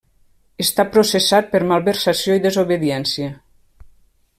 Està processat per malversació i desobediència.